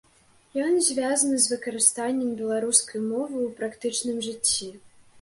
Ён звязаны з выкарыстаннем беларускай мовы ў практычным жыцці.